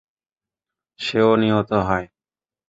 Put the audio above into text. সেও নিহত হয়।